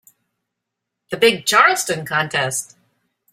The big Charleston contest.